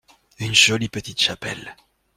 Une jolie petite chapelle.